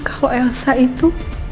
kalau elsa itu